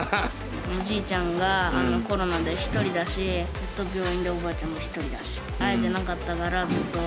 おじいちゃんがコロナで一人だしずっと病院でおばあちゃんも一人だし会えてなかったからずっと。